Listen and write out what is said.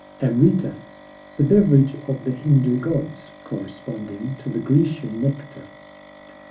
AMRITA The beverage of the Hindoo gods, corresponding to the Grecian nectar.